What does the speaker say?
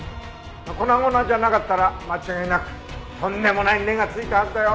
粉々じゃなかったら間違いなくとんでもない値が付いたはずだよ。